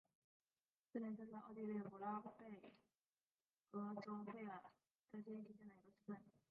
施林斯是奥地利福拉尔贝格州费尔德基希县的一个市镇。